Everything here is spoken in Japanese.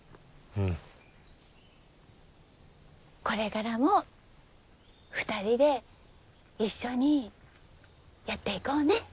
これからも２人で一緒にやっていこうね。